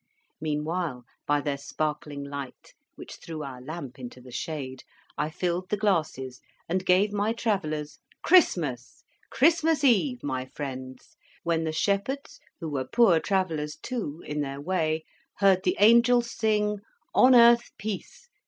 Meanwhile, by their sparkling light, which threw our lamp into the shade, I filled the glasses, and gave my Travellers, CHRISTMAS! CHRISTMAS EVE, my friends, when the shepherds, who were Poor Travellers, too, in their way, heard the Angels sing, "On earth, peace.